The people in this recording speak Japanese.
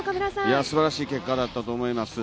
すばらしい結果だったと思います。